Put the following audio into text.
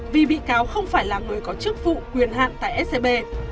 vì bị cáo không phải là người có chức vụ quyền hạn tại scb